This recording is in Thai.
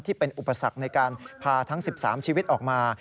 ที่เป็นอุปสรรคในการพาทั้ง๑๓ชีวิตออกมา